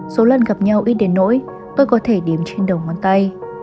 số lần gặp nhau ít đến nỗi tôi có thể điếm trên đầu ngón tay